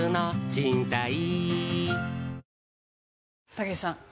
たけしさん